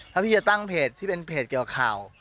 ถ้าพี่จะตั้งเพจที่เป็นเพจเกี่ยวกับข่าว